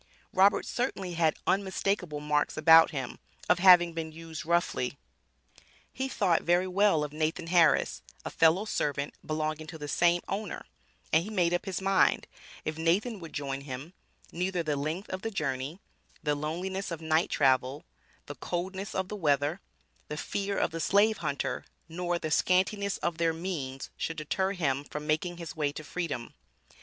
Robert certainly had unmistakable marks about him, of having been used roughly. He thought very well of Nathan Harris, a fellow servant belonging to the same owner, and he made up his mind, if Nathan would join him, neither the length of the journey, the loneliness of night travel, the coldness of the weather, the fear of the slave hunter, nor the scantiness of their means should deter him from making his way to freedom.